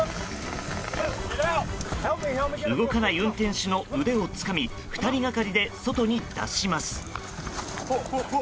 動かない運転手の腕をつかみ２人がかりで外に出します。